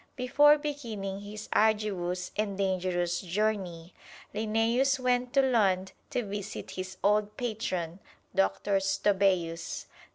Before beginning his arduous and dangerous journey, Linnæus went to Lund to visit his old patron, Doctor Stobæus.